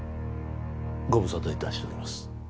ご無沙汰いたしております